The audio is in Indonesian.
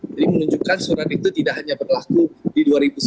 jadi menunjukkan surat itu tidak hanya berlaku di dua ribu lima belas